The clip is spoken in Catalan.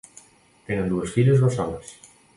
Tenen dues filles bessones.